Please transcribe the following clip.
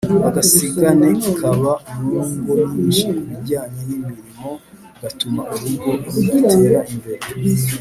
Agasigane kaba mu ngo nyinshi ku bijyanye n’imirimo gatuma urugo rudatera imbere